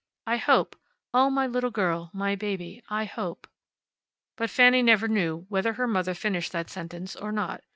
I hope oh, my little girl, my baby I hope " But Fanny never knew whether her mother finished that sentence or not.